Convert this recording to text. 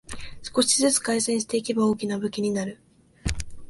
少しずつ改善していけば大きな武器になる